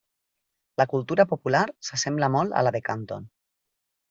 La cultura popular s'assembla molt a la de Canton.